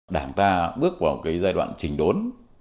đảng ta bước vào cái giai đoạn trình đốn